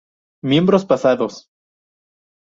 Miembros pasados